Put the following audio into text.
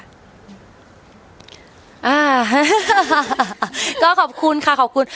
อ่าก็ขอบคุณค่ะขอบคุณ